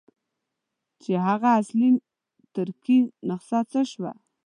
چې هغه اصلي ترکي نسخه څه شوه.